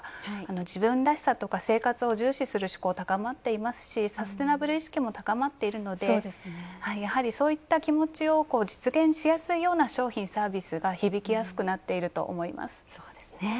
自分らしさとか生活を重視する志向が高まっていますしサスティナブル意識も高まっているのでやはりそういった気持ちを実現しやすいような商品・サービスが響きやすくなっていると思います。